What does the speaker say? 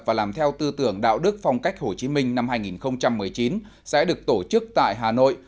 và làm theo tư tưởng đạo đức phong cách hồ chí minh năm hai nghìn một mươi chín sẽ được tổ chức tại hà nội